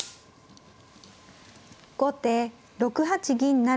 後手６八銀成。